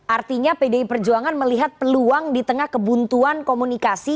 artinya pdi perjuangan melihat peluang di tengah kebuntuan komunikasi